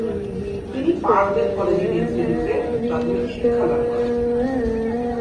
তিনি Parkdale collegiate ইনস্টিটিউটে প্রাথমিক শিক্ষা লাভ করেন।